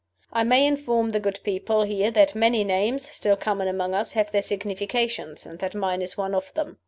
"I may inform the good people here that many names, still common among us, have their significations, and that mine is one of them.